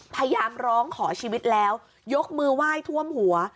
พยายามร้องขอชีวิตแล้วยกมือไหว้ท่วมหัว